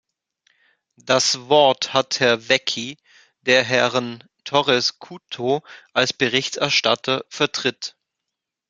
Das Wort hat Herr Vecchi, der Herrn Torres Couto als Berichterstatter vertritt.